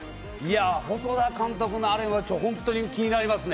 細田監督のあれは気になりますね。